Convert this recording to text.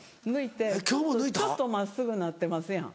ちょっと真っすぐなってますやん。